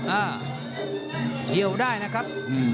อ่าเกี่ยวได้นะครับ